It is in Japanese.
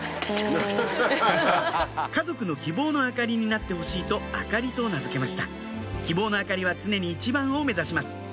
家族の希望の明かりになってほしいと燈里と名付けました希望の明かりは常に一番を目指します